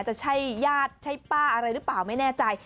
จะใช่ญาติใช่ป้าอะไรหรือเปล่าไม่แน่ใจ